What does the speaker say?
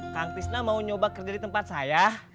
kang krisna mau nyoba kerja di tempat saya